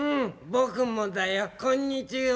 ぼくもだよこんにちは。